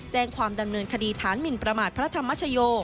แจ้งความดำเนินคดีฐานหมินประมาทพระธรรมชโย